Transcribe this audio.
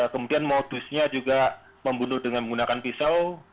kemudian modusnya juga membunuh dengan menggunakan pisau